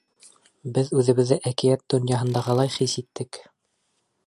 Беҙ үҙебеҙҙе әкиәт донъяһындағылай хис иттек.